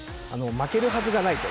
負けるはずがないと。